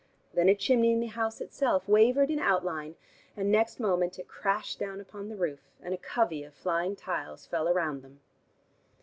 Then a chimney in the house itself wavered in outline, and next moment it crashed down upon the roof, and a covey of flying tiles fell round them.